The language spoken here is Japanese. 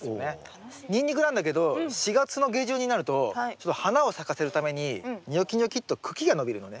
ニンニクなんだけど４月の下旬になるとちょっと花を咲かせるためにニョキニョキっと茎が伸びるのね。